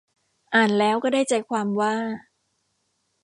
อ่านแล้วก็ได้ใจความว่า